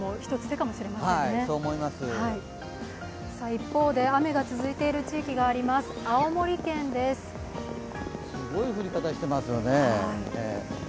一方で、雨が続いている地域があります、すごい降り方してますよね。